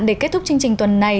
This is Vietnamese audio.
để kết thúc chương trình tuần này